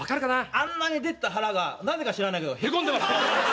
あんなに出てた腹がなぜか知らないけどへこんでます。